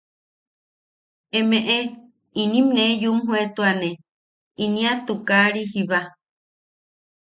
Emeʼe inim nee yumjoetuane inia tukari jiba.